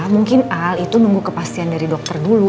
mungkin al itu nunggu kepastian dari dokter dulu